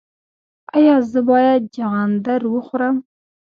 ایا زه باید چغندر وخورم؟